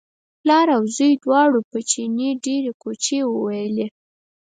پلار او زوی دواړو په چیني ډېرې کوچې وویلې.